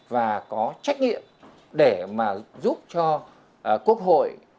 và có trách nhiệm để mà giúp cho quốc hội